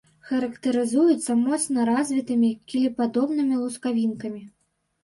Характарызуецца моцна развітымі кілепадобнымі лускавінкамі.